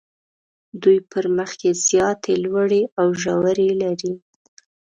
دوی پر مخ یې زیاتې لوړې او ژورې لري.